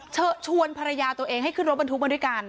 เชิญชวนภรรยาตัวเองให้ขึ้นรถบรรทุกมาด้วยกัน